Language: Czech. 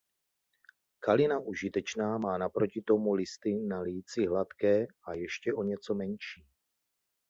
Kalina užitečná má naproti tomu listy na líci hladké a ještě o něco menší.